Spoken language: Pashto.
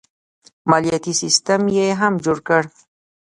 مالیاتي سیستم یې هم جوړ کړ.